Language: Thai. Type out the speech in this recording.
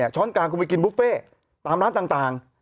ช้อนกลางคุณไปกินบุฟเฟ่ตามร้านต่าง